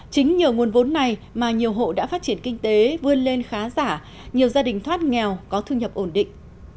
chính nhờ nguồn vốn này mà nhiều hộ đã phát triển kinh tế vươn lên khá giả nhiều gia đình thoát nghèo có thu nhập ổn định